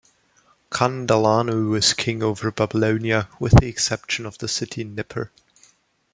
Kandalanu was king over Babylonia, with exception of the city Nippur.